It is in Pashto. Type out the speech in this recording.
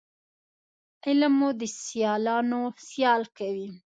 علم مو د سیالانو سیال کوي